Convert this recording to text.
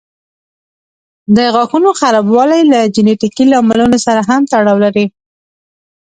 د غاښونو خرابوالی له جینيټیکي لاملونو سره هم تړاو لري.